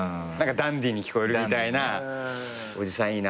ダンディーに聞こえるみたいなおじさんいいなって。